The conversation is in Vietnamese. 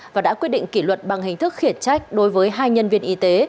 và đã quyết định kỷ luật bằng hình thức khiển trách đối với hai nhân viên y tế